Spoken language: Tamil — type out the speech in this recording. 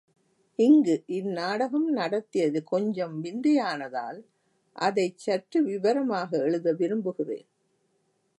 இங்கு இந்நாடகம் நடத்தியது கொஞ்சம் விந்தையானதால், அதைச் சற்று விவரமாக எழுத விரும்புகிறேன்.